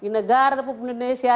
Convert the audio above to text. di negara negara pemerintah indonesia